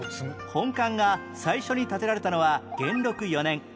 本館が最初に建てられたのは元禄４年